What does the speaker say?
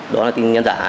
đó là tin nhắn giả